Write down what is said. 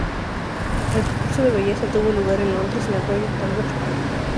El concurso de belleza tuvo lugar en Londres, en el Royal Albert Hall.